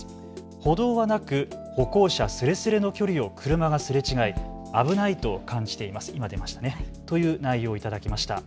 歩道はなく歩行者スレスレの距離を車がすれ違い危ないと感じていますという内容を頂きました。